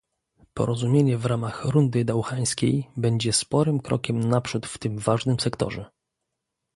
Porozumienie w ramach rundy dauhańskiej będzie sporym krokiem naprzód w tym ważnym sektorze